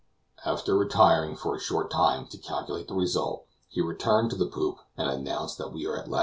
After retiring for a short time to calculate the result, he returned to the poop and announced that we are in lat.